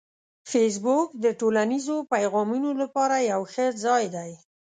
فېسبوک د ټولنیزو پیغامونو لپاره یو ښه ځای دی